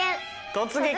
「突撃！